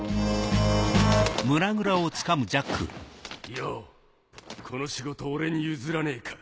よぉこの仕事俺に譲らねえか？